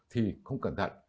thì không cẩn thận